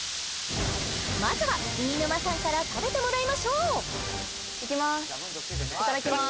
まずは飯沼さんから食べてもらいましょういきますいただきます